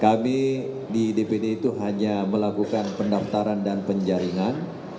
kami di dpd itu hanya melakukan pendaftaran dan penjaringan